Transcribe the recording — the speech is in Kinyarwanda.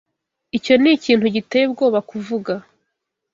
Icyo ni ikintu giteye ubwoba kuvuga.